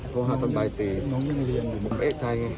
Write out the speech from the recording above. โทรหาตอนบ่าย๔